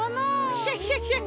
クシャシャシャ！